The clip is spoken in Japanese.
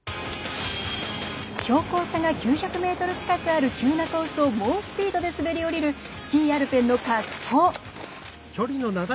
標高差が９００ｍ近くある急なコースを猛スピードで滑り降りるスキー・アルペンの滑降。